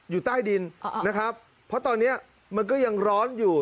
อยู่ใต้ดินนะครับเพราะตอนนี้มันก็ยังร้อนอยู่